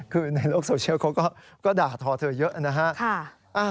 คือในโลกโซเชียลเขาก็ด่าทอเธอเยอะนะฮะ